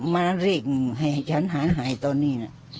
มาเร่งให้ฉันหายตอนนี้นะ